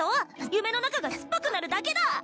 夢の中が酸っぱくなるだけだ